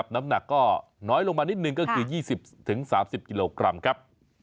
น้ำหนักก็น้อยลงมานิดนึงก็คือ๒๐๓๐กิโลกรัมครับ